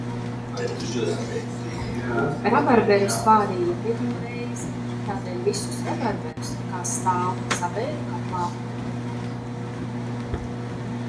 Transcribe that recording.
Rabarberus vārīja pirmo reizi, tādēļ visus rabarberus, kā stāv, sabēru katlā.